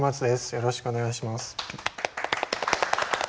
よろしくお願いします。